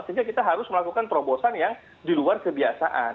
sehingga kita harus melakukan terobosan yang di luar kebiasaan